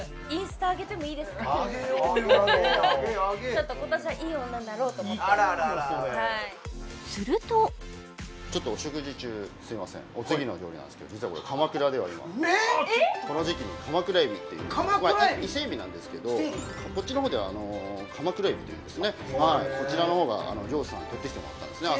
ちょっと今年はいい女になろうと思ってはいするとちょっとお食事中すいませんお次の料理なんですけど実は鎌倉では今この時期に鎌倉海老っていう伊勢海老なんですけどこっちのほうでは鎌倉海老というんですねこちらのほうが漁師さんにとってきてもらったんですね